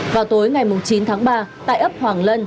vào tối ngày chín tháng ba tại ấp hoàng lân